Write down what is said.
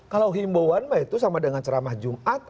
kalau himbauan mbak itu sama dengan ceramah jumat